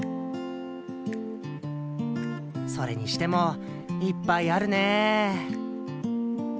それにしてもいっぱいあるねえ